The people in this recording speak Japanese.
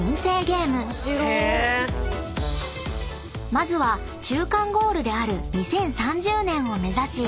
［まずは中間ゴールである２０３０年を目指し］